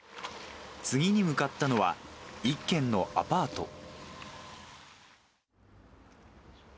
次に向かったのは、一軒のアパート。